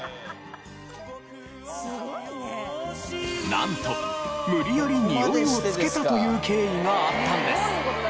なんと無理やり匂いを付けたという経緯があったんです。